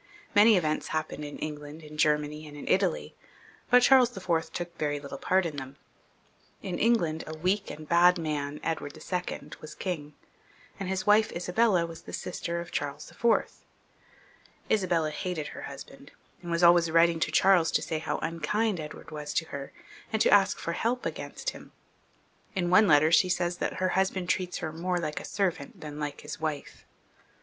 Many events happened in England, in Germany, and in Italy, but Charles IV. took very little part in them. In England a very weak and bad man, Edward II., was king, and his wife, Isabella, was the sister of Charles IV. Isabella hated her husband, and was always writing to Charles to say how unkind Edward was to her, and to ask for help against him. In one letter she says that her husband treats her "more like a servant than like his wife."